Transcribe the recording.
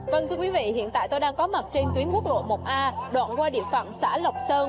vâng thưa quý vị hiện tại tôi đang có mặt trên tuyến quốc lộ một a đoạn qua địa phận xã lộc sơn